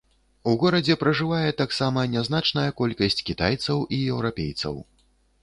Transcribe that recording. У горадзе пражывае таксама нязначная колькасць кітайцаў і еўрапейцаў.